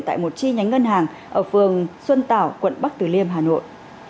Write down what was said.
tại một chi nhánh ngân hàng ở phường xuân tảo quận bắc từ liêm hà nội